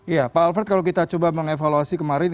iya pak alfred kalau kita coba mengevaluasi kemarin ya